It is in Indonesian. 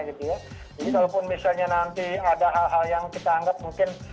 kalaupun misalnya nanti ada hal hal yang kita anggap mungkin